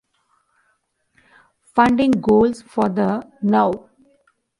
Funding goals for the Now!